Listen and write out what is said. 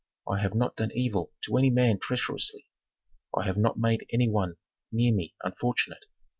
I have not done evil to any man treacherously. I have not made any one near me unfortunate.